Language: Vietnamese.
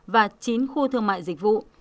và chín khu thương mại dịch vụ